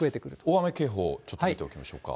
大雨警報、ちょっと見ておきましょうか。